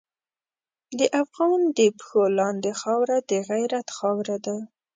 د افغان د پښو لاندې خاوره د غیرت خاوره ده.